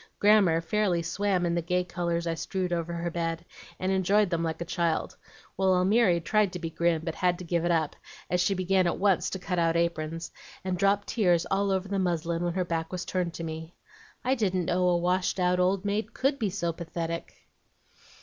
Grammer fairly swam in the gay colors I strewed over her bed, and enjoyed them like a child, while Almiry tried to be grim, but had to give it up, as she began at once to cut out aprons, and dropped tears all over the muslin when her back was turned to me. I didn't know a washed out old maid COULD be so pathetic."